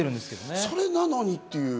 それなのにっていう。